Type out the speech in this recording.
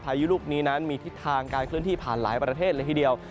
พายุลูกนี้นั้นมีทิศทางการเคลื่อนที่ผ่านหลายประเทศเลยทีเดียว